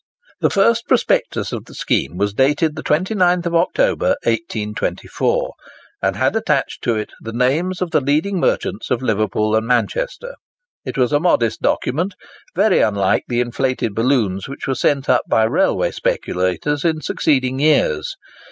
The first prospectus of the scheme was dated the 29th October, 1824, and had attached to it the names of the leading merchants of Liverpool and Manchester. It was a modest document, very unlike the inflated balloons which were sent up by railway speculators in succeeding years.